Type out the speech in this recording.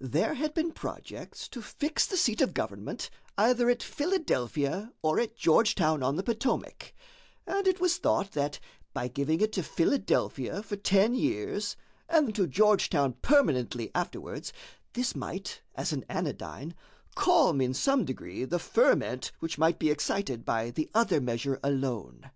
There had been projects to fix the seat of government either at Philadelphia or at Georgetown on the Potomac; and it was thought that by giving it to Philadelphia for ten years, and to Georgetown permanently afterwards, this might, as an anodyne, calm in some degree the ferment which might be excited by the other measure alone.